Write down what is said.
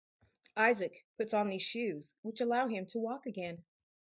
Isaac puts on these shoes which allow him to walk again.